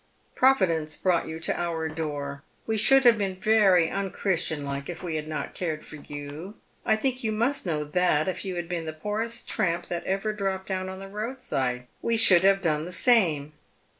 " Providence brought you to our door. We should have been very unchristian like if we had not cared for you. I think you must know that if you had been the poorest tramp that ever dropped down on the road side we should have done the same."